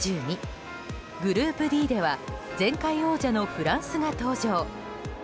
グループＤでは前回王者のフランスが登場。